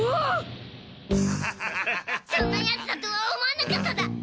そんなやつだとは思わなかっただ。